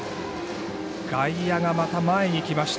外野が、また前に来ました。